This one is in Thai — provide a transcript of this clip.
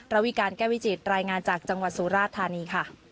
ระวิการแก้วิจิตรายงานจากจังหวัดสุราธานีค่ะ